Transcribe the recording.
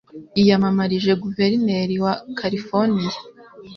Yiyamamarije guverineri wa Californiya.